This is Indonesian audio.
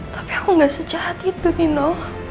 tapi aku gak sejahat itu nino